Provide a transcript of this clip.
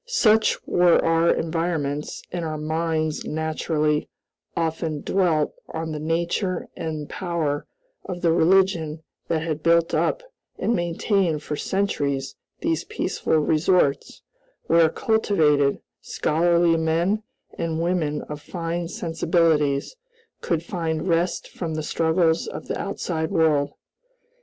Such were our environments, and our minds naturally often dwelt on the nature and power of the religion that had built up and maintained for centuries these peaceful resorts, where cultivated, scholarly men, and women of fine sensibilities, could find rest from the struggles of the outside world.